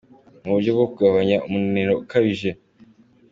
Ni uburyo bwo kugabanya umunaniro ukabije.